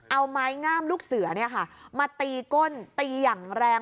เอาไม้ง่ามลูกเสือเนี่ยค่ะมาตีก้นตีอย่างแรง